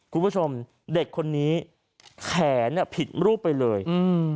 คุณผู้ชมเด็กคนนี้แขนผิดรูปไปเลยอืม